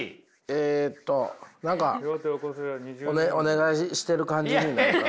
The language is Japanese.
えっと何かお願いしてる感じになるから。